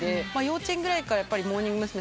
幼稚園ぐらいからモーニング娘。